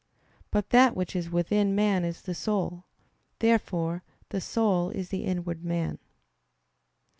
But that which is within man is the soul. Therefore the soul is the inward man.